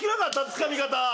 つかみ方。